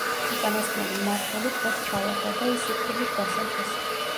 უკანასკნელი მმართველი ტყვედ ჩავარდა და ის სიკვდილით დასაჯეს.